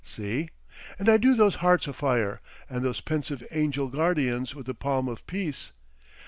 See? And I do those hearts afire and those pensive angel guardians with the palm of peace.